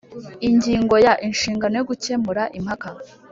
Ingingo ya Inshingano yo gukemura impaka